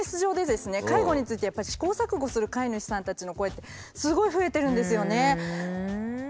介護についてやっぱり試行錯誤する飼い主さんたちの声ってすごい増えてるんですよね。